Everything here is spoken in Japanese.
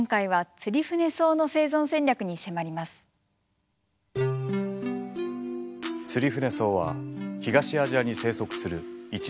ツリフネソウは東アジアに生息する一年生の植物。